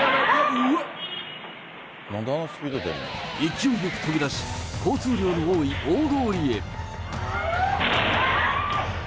勢いよく飛び出し、交通量の多い大通りへ。